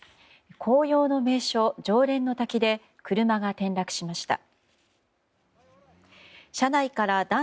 紅葉の名所、浄蓮の滝で車が転落しました。